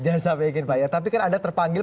jangan sampai ingin pak tapi kan anda terpanggil